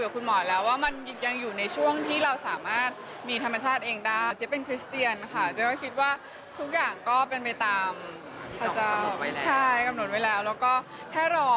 กำหนดไว้แล้วใช่กำหนดไว้แล้วแล้วก็แค่รอ